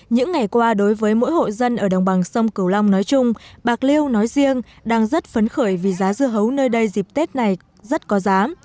những ngày qua đối với mỗi hộ dân ở đồng bằng sông cửu long nói chung bạc liêu nói riêng đang rất phấn khởi vì giá dưa hấu nơi đây dịp tết này rất có giá